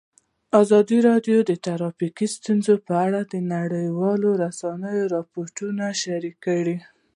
ازادي راډیو د ټرافیکي ستونزې په اړه د نړیوالو رسنیو راپورونه شریک کړي.